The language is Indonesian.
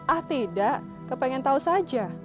ah tidak kepengen tahu saja